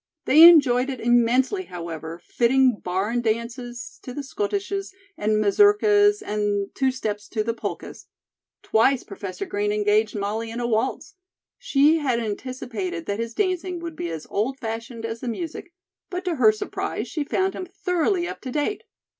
They enjoyed it immensely, however, fitting barn dances to the schottisches and mazurkas and two steps to the polkas. Twice Professor Green engaged Molly in a waltz. She had anticipated that his dancing would be as old fashioned as the music, but to her surprise, she found him thoroughly up to date.